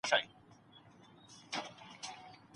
ښېګڼه اوس د هر چا کار نه دی .